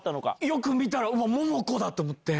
よく見たら桃子だ！と思って。